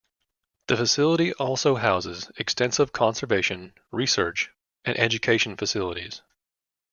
The facility also houses extensive conservation, research, and education facilities.